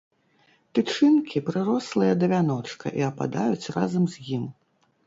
Тычынкі прырослыя да вяночка і ападаюць разам з ім.